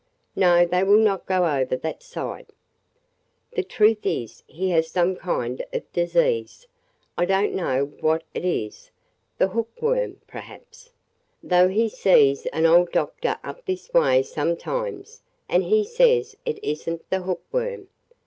"No, they will not go over that side. The truth is he has some kind of disease. I don't know what it is – the hookworm, perhaps, – though he sees an old doctor up this way sometimes and he says it is n't the hook worm.